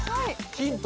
ヒント？